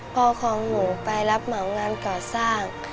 ของหนูไปรับเหมางานก่อสร้าง